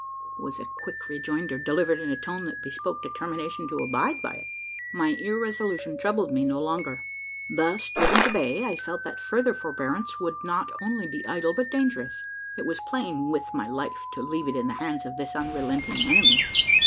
was the quick rejoinder, delivered in a tone that bespoke determination to abide by it. My irresolution troubled me no longer. Thus driven to bay, I felt that further forbearance would not only be idle, but dangerous. It was playing with my life, to leave it in the hands of this unrelenting enemy.